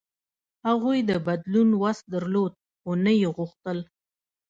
هغوی د بدلون وس درلود، خو نه یې غوښتل.